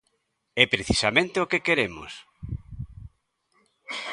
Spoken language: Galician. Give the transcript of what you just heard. É precisamente o que queremos.